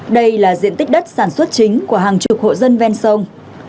đây là diện tích đất sản xuất chính của hàng chục hộ dân ven sông